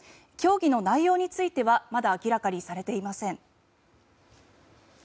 協議の内容についてはまだ明らかにされていません。